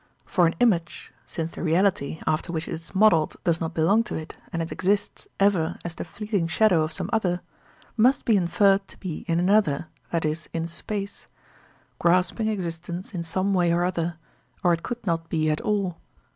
For an image, since the reality, after which it is modelled, does not belong to it, and it exists ever as the fleeting shadow of some other, must be inferred to be in another (i.e. in space), grasping existence in some way or other, or it could not be at all.